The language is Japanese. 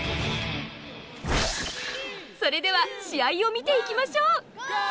それでは試合を見ていきましょう。